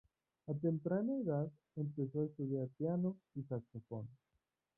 A temprana edad, empezó a estudiar piano y saxofón.